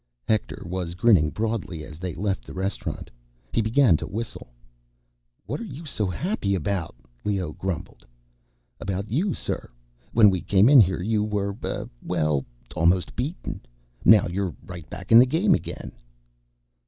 Hector was grinning broadly as they left the restaurant. He began to whistle. "What are you so happy about?" Leoh grumbled. "About you, sir. When we came in here, you were, uh, well ... almost beaten. Now you're right back in the game again."